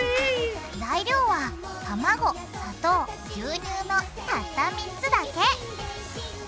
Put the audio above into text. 材料はたまご砂糖牛乳のたった３つだけ！